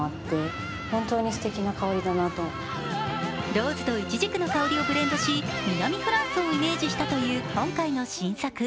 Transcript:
ローズとイチジクの香りをブレンドし南フランスをイメージしたという今回の新作。